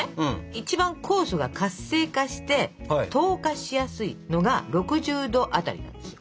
一番酵素が活性化して糖化しやすいのが６０℃辺りなんですよ。